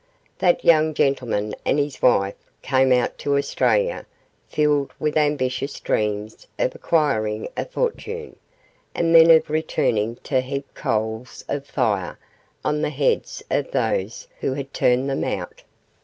That young gentleman and his wife came out to Australia filled with ambitious dreams of acquiring a fortune, and then of returning to heap coals of fire on the heads of those who had turned them out.